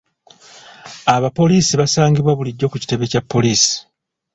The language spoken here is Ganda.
Abapoliisi basangibwa bulijjo ku kitebe Kya poliisi.